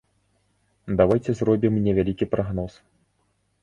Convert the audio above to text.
Давайце зробім невялікі прагноз.